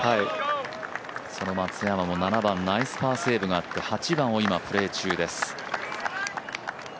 その松山も７番ナイスパーセーブがあって８番を今、プレー中です。